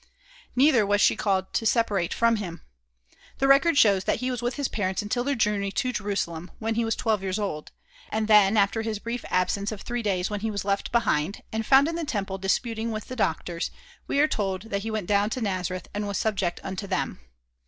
Neither was she called to separate from him. The record shows that he was with his parents until their journey to Jerusalem, when he was twelve years old; and then, after his brief absence of three days when he was left behind, and found in the temple disputing with the doctors, we are told that "he went down to Nazareth and was subject unto them."